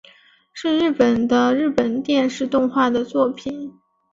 是日本的日本电视动画的作品。